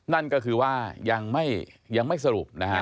นั่นก็คือว่ายังไม่สรุปนะฮะ